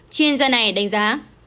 chuyên gia này đánh giá